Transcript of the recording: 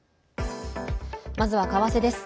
まずは為替です。